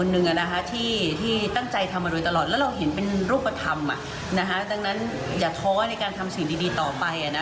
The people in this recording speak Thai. มีหน้าข่าวโทรไปเยอะแหละติดต่อไม่ได้แหละ